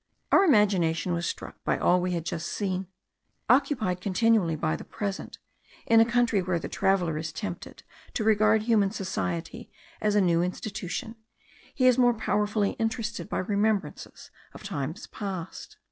Our imagination was struck by all we had just seen. Occupied continually by the present, in a country where the traveller is tempted to regard human society as a new institution, he is more powerfully interested by remembrances of times past.